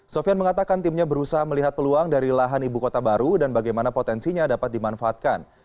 sofian mengatakan timnya berusaha melihat peluang dari lahan ibu kota baru dan bagaimana potensinya dapat dimanfaatkan